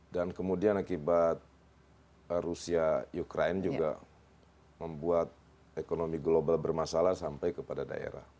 dan kemudian akibat rusia ukraine juga membuat ekonomi global bermasalah sampai kepada daerah